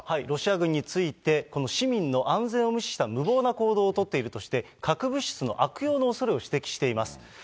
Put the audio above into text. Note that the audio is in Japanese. ロシア軍について、この市民の安全を無視した無謀な行動を取っているとして、核物質の悪用のおそれを指摘しています。